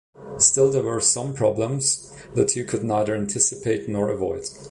Still, there were some problems the two could neither anticipate nor avoid.